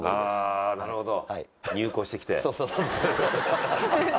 あなるほど。